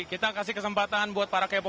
kita kasih kesempatan buat para karyawan